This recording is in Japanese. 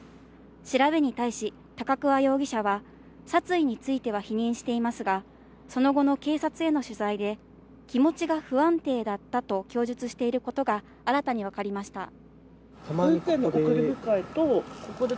調べに対し高桑容疑者は殺意については否認していますが、その後の警察への取材で気持ちが不安定だったと供述していることが新たに分かりました。